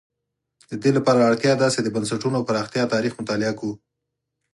د دې لپاره اړتیا ده چې د بنسټونو پراختیا تاریخ مطالعه کړو.